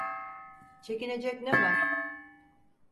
Çekinecek ne var?